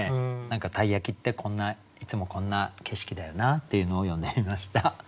何か鯛焼っていつもこんな景色だよなっていうのを詠んでみました。